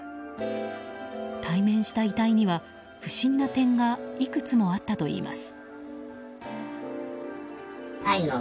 対面した遺体には不審な点がいくつもあったといいます。